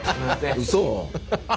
うそ。